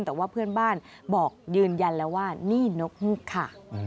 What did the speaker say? แต่ว่าเพื่อนบ้านบอกยืนยันแล้วว่านี่นกฮูกค่ะ